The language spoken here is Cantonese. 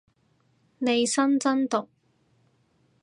利申真毒